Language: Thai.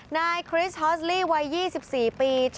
นายคริสฮอสลี่วัย๒๔ปี